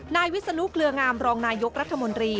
วิศนุเกลืองามรองนายกรัฐมนตรี